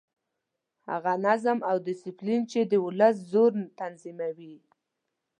هغه نظم او ډسپلین چې د ولس زور تنظیموي.